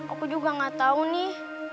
aku juga gak tahu nih